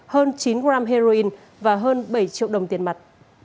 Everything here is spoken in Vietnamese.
hơn chín g heroin và hơn bảy triệu đồng tiền mặt